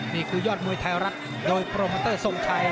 นี่คือยอดมวยไทยรัฐโดยโปรโมเตอร์ทรงชัย